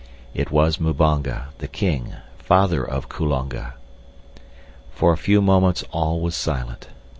It was Mbonga, the king, father of Kulonga. For a few moments all was silent.